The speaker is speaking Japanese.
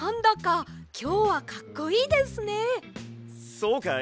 そうかい？